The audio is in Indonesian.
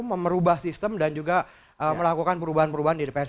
memerubah sistem dan juga melakukan perubahan perubahan di dpr